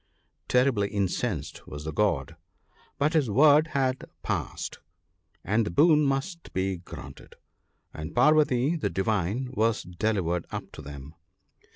' "Terribly incensed was the God, but his word had passed, and the boon must be granted ; and Parvati the Divine was delivered up to them.